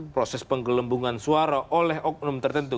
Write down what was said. proses penggelembungan suara oleh oknum tertentu